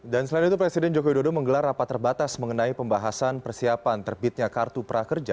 dan selain itu presiden joko widodo menggelar rapat terbatas mengenai pembahasan persiapan terbitnya kartu prakerja